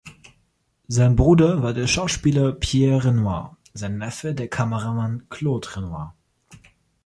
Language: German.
Sein Bruder war der Schauspieler Pierre Renoir, sein Neffe der Kameramann Claude Renoir.